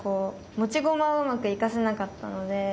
持ち駒をうまく生かせなかったので。